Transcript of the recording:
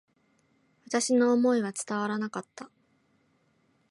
私の思いは伝わらなかった。